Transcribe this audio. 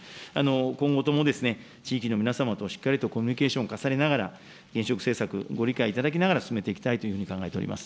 今後ともですね、地域の皆様としっかりとコミュニケーションを重ねながら、原子力政策、ご理解いただきながら進めていきたいと考えております。